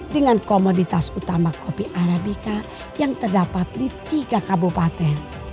dengan komoditas utama kopi arabica yang terdapat di tiga kabupaten